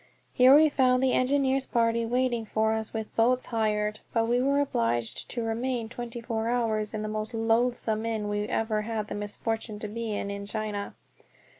Here we found the engineers' party waiting for us with boats hired, but we were obliged to remain twenty four hours in the most loathsome inn we ever had the misfortune to be in in China.